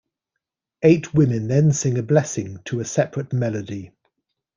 Eight women then sing a blessing to a separate melody.